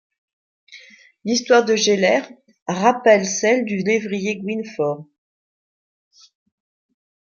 L'histoire de Gelert rappelle celle du lévrier Guinefort.